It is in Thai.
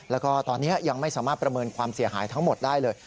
แล้วก็ตอนนี้ยังไม่สามารถประเมินความเสียหายทั้งหมดได้เลย